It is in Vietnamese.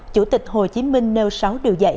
chủ tịch hồ chí minh nêu sáu điều dạy